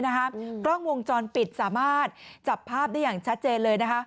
กล้องวงจรปิดสามารถจับภาพได้อย่างชัดเจนเลยนะคะ